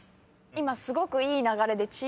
今すごくいい流れでチーム。